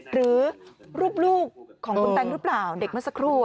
หรือรูปของคุณแตงรึเปล่าเด็กมาสักครู่